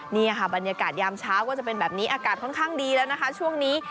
นี่ค่ะบรรยากาศยามเช้าก็จะเป็นแบบนี้อากาศค่อนข้างดีแล้วนะคะช่วงนี้